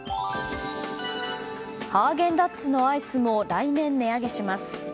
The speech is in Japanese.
ハーゲンダッツのアイスも来年、値上げします。